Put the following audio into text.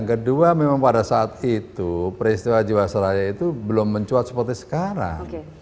kedua memang pada saat itu peristiwa jiwasraya itu belum mencuat seperti sekarang